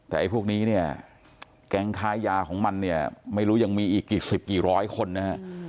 แต่ไอ้พวกนี้เนี่ยแก๊งค้ายาของมันเนี่ยไม่รู้ยังมีอีกกี่สิบกี่ร้อยคนนะฮะ